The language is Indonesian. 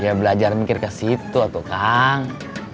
ya belajar mikir kesitu tuh kang